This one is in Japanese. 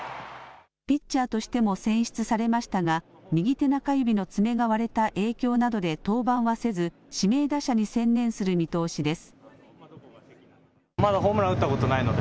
ピッチャーとしても選出されましたが右手中指の爪が割れた影響などで登板はせず指名打者に専念する見通しです。